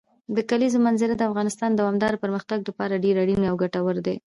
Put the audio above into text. د کلیزو منظره د افغانستان د دوامداره پرمختګ لپاره ډېر اړین او ګټور دی.